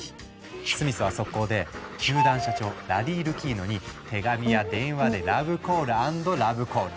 スミスは速攻で球団社長ラリー・ルキーノに手紙や電話でラブコール＆ラブコール。